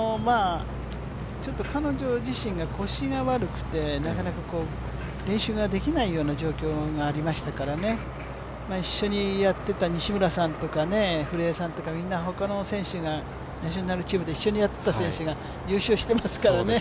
彼女自身が腰が悪くて、なかなか練習ができないような状況でしたから一緒にやってた西村さんとかナショナルチームで一緒にやってた選手が優勝してますからね